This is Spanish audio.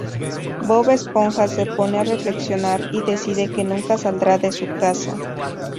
Bob Esponja se pone a reflexionar y decide que nunca saldrá de su casa.